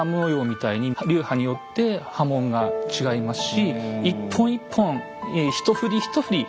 みたいに流派によって刃文が違いますし一本一本一振り一振り